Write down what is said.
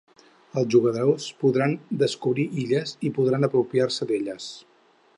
Els jugadors podran descobrir illes i podran apropiar-se d'elles.